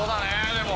でも。